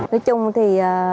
nói chung thì